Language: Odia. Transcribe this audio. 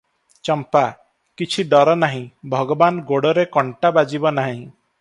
ଚମ୍ପା - କିଛି ଡର ନାହିଁ, ଭଗବାନ ଗୋଡ଼ରେ କଣ୍ଟା ବାଜିବ ନାହିଁ ।